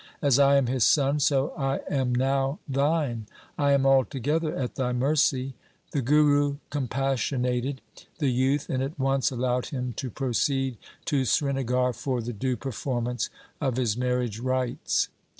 As I am his son, so I am now thine. I am altogether at thy mercy.' The Guru compassionated the youth, and at once allowed him to proceed to Srinagar for the due performance of his marriage rites.